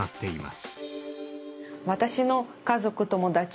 私の家族友達